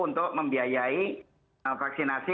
untuk membiayai vaksinasi